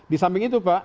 di samping itu pak